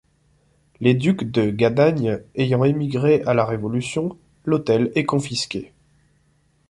Les ducs de Gadagne ayant émigré à la Révolution, l'hôtel est confisqué.